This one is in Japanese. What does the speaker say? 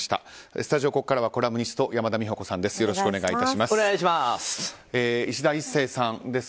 スタジオ、ここからはコラムニストの山田美保子さんです。